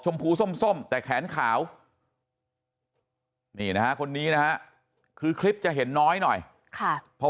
ชมพูส้มแต่แขนขาวคนนี้นะคือคลิปจะเห็นน้อยหน่อยค่ะเพราะ